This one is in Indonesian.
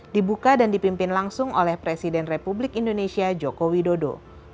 dibuka dan dipimpin langsung oleh presiden republik indonesia joko widodo